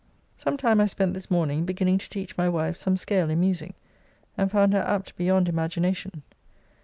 Some time I spent this morning beginning to teach my wife some scale in music, and found her apt beyond imagination.